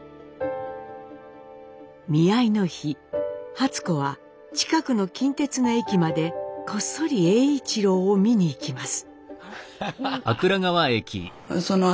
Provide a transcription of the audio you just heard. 見合いの日初子は近くの近鉄の駅までこっそり栄一郎を見に行きます。